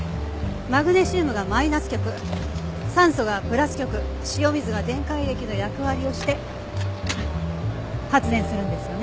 マグネシウムがマイナス極酸素がプラス極塩水が電解液の役割をして発電するんですよね？